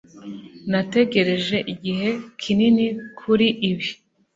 nategereje igihe kinini kuri ibi